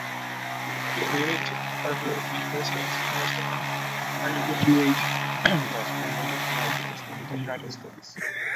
He created Harvard University's first undergraduate course on Native Americans in the United States.